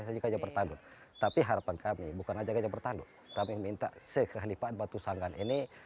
saya bertanggung tapi harapan kami bukan aja saja bertanggung tapi minta sekelipat batu sanggan ini